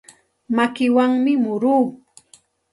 Makiwanmi muruu.